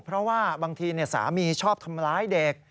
เพราะว่าบางทีสามีชอบทำร้ายเด็ก